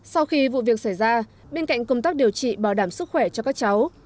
sau khi vụ việc xảy ra bên cạnh công tác điều trị bảo đảm sức khỏe cho các cháu